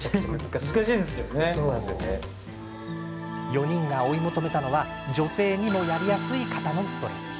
４人が追い求めたのは女性にもやりやすい肩のストレッチ。